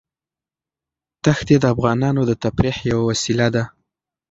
دښتې د افغانانو د تفریح یوه وسیله ده.